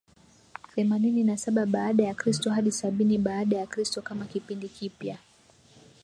themanini na saba baada ya kristo hadi sabini baada ya kristo kama kipindi kipya